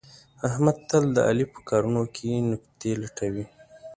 احمد تل د علي په کارونو کې نکتې لټوي.